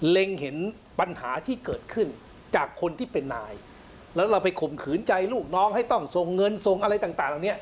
เห็นปัญหาที่เกิดขึ้นจากคนที่เป็นนายแล้วเราไปข่มขืนใจลูกน้องให้ต้องส่งเงินส่งอะไรต่างเหล่านี้